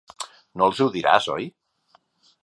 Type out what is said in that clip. No els ho diràs, oi?